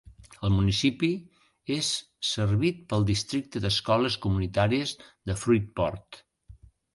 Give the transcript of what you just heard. El municipi és servit pel districte d'escoles comunitàries de Fruitport.